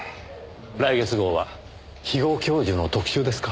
来月号は肥後教授の特集ですか？